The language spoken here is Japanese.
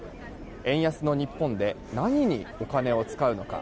円安の日本で何にお金を使うのか。